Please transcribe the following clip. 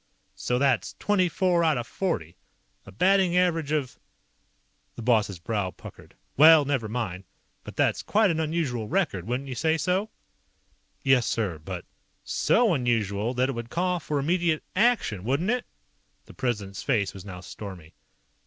"So that's twenty four out of forty. A batting average of " The boss's brow puckered. "Well. Never mind. But that's quite an unusual record, wouldn't you say so?" "Yes, sir, but " "So unusual that it would call for immediate ACTION, wouldn't it?" The President's face was now stormy.